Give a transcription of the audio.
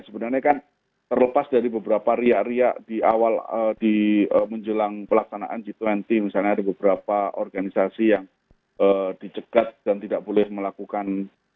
sebenarnya kan terlepas dari beberapa riak riak di awal di menjelang pelaksanaan g dua puluh misalnya ada beberapa organisasi yang dicegat dan tidak boleh melakukan